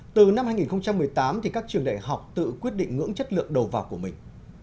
từ năm hai nghìn một mươi tám các trường đại học tự quyết định ngưỡng chất lượng đầu vào của mình